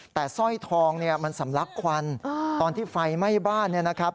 แต่สร้อยทองเนี่ยมันสำลักควันตอนที่ไฟไหม้บ้านเนี่ยนะครับ